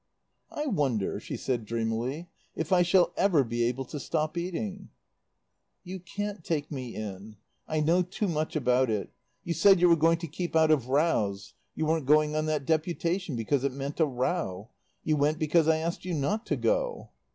"I wonder," she said dreamily, "if I shall ever be able to stop eating." "You can't take me in. I know too much about it. You said you were going to keep out of rows. You weren't going on that deputation because it meant a row. You went because I asked you not to go."